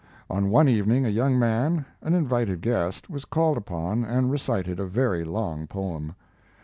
On one evening a young man, an invited guest, was called upon and recited a very long poem.